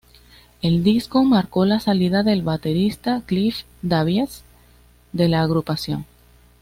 El disco marcó la salida del baterista Cliff Davies de la agrupación.